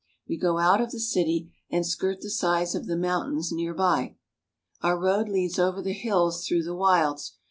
We go out of the city, and skirt the sides of the mountains near by. Our road leads over the hills through the wilds.